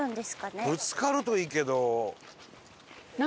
ぶつかるといいけど。